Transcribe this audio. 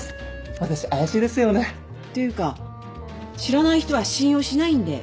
私怪しいですよね。というか知らない人は信用しないんで。